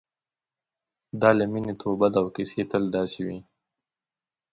دا له مینې توبه ده او کیسې تل داسې دي.